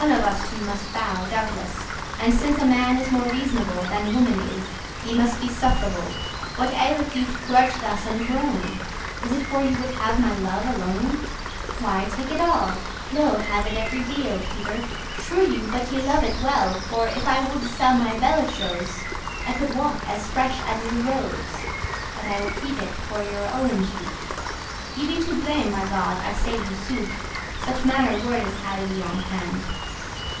One of us two must bowe* doubteless: *give way And since a man is more reasonable Than woman is, ye must be suff'rable. What aileth you to grudge* thus and groan? *complain Is it for ye would have my [love] <14> alone? Why, take it all: lo, have it every deal,* *whit Peter! <19> shrew* you but ye love it well *curse For if I woulde sell my *belle chose*, *beautiful thing* I coulde walk as fresh as is a rose, But I will keep it for your owen tooth. Ye be to blame, by God, I say you sooth." Such manner wordes hadde we on hand.